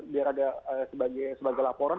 biar ada sebagai laporan